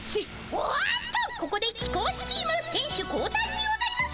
おっとここで貴公子チームせん手交代にございます。